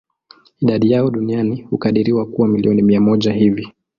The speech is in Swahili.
Idadi yao duniani hukadiriwa kuwa milioni mia moja hivi.